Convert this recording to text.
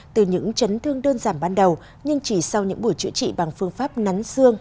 từ những chấn thương đơn giản ban đầu nhưng chỉ sau những buổi chữa trị bằng phương pháp nắn xương